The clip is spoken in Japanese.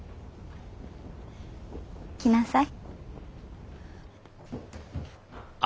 来なさい。